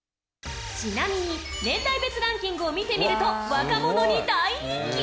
ちなみに年代別ランキングを見てみると若者に大人気！